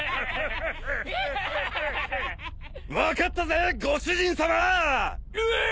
分かったぜご主人さま！え！？